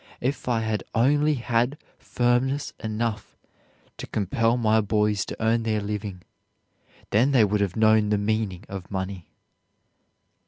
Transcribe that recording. If I had only had firmness enough to compel my boys to earn their living, then they would have known the meaning of money."